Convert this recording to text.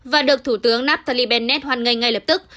và được thủ tướng nathalie bennett hoan nghênh ngay lập tức